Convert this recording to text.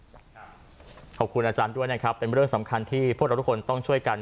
ขอบคุณอาจารย์ด้วยนะครับเป็นเรื่องสำคัญที่พวกเราทุกคนต้องช่วยกัน